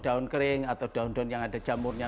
daun kering atau daun daun yang ada jamurnya